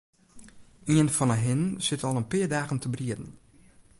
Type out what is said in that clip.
Ien fan 'e hinnen sit al in pear dagen te brieden.